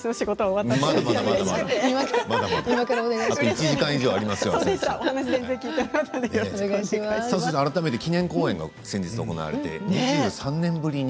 改めまして記念公演が先月行われて２３年ぶりに。